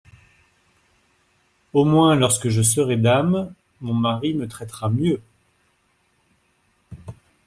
Au moins lorsque je serai dame, Mon mari me traitera mieux !